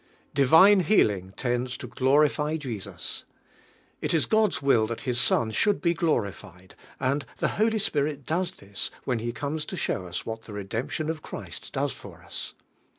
Divine healing tends to glorify Jesu s, ft is Coil's will iluil His Son should be glorified, and the Holy Spirit does this when He comes to show us what the re demption of Christ does for us.